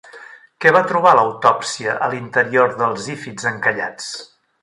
Què va trobar l'autòpsia a l'interior dels zífids encallats?